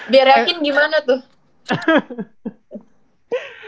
biar yakin gimana tuh